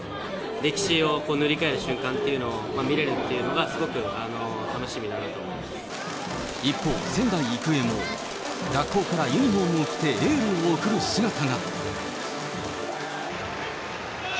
歴史を塗り替える瞬間というのを見れるっていうのが、一方、仙台育英も、学校からユニホームを着てエールを送る姿が。